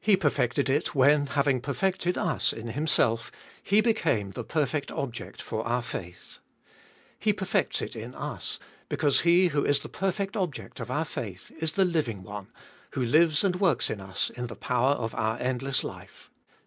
He perfected it when, having perfected us in Himself, He became the perfect object for our faith. He perfects it in us, because He who is the perfect object of our faith is the living One, who lives and works in us in the power of our endless life.